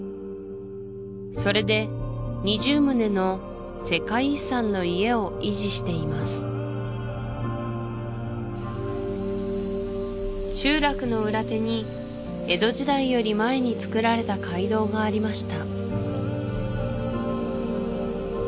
それで２０棟の世界遺産の家を維持しています集落の裏手に江戸時代より前につくられた街道がありました